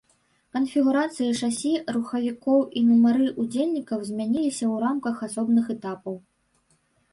Канфігурацыі шасі, рухавікоў і нумары ўдзельнікаў змяняліся ў рамках асобных этапаў.